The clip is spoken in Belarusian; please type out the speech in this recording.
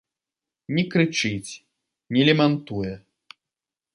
Не крычыць, не лямантуе.